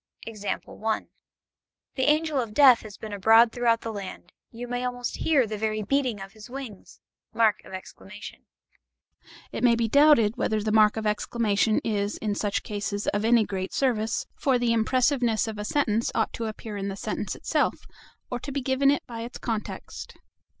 The Angel of Death has been abroad throughout the land: you may almost hear the very beating of his wings! It may be doubted whether the mark of exclamation is in such cases of any great service; for the impressiveness of a sentence ought to appear in the sentence itself, or to be given to it by the context.